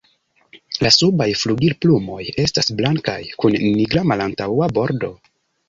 La subaj flugilplumoj estas blankaj kun nigra malantaŭa bordo.